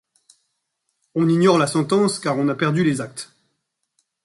On ignore la sentence, car on a perdu les actes.